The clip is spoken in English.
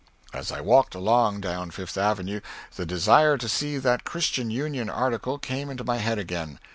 As I walked along down Fifth Avenue the desire to see that "Christian Union" article came into my head again.